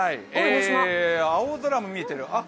青空も見えている。